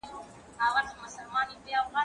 زه پرون بوټونه پاک کړل!؟